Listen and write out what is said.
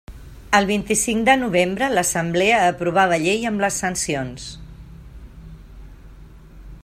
El vint-i-cinc de novembre l'assemblea aprovà la llei amb les sancions.